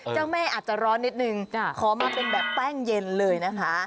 เจ้าแม่อาจจะร้อนนิดนึงขอมาเป็นแบบแป้งเย็นเลยนะคะ